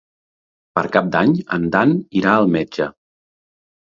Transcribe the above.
Per Cap d'Any en Dan irà al metge.